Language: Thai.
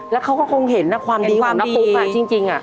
แล้วเขาก็คงเห็นความน้าปุ๊กจริง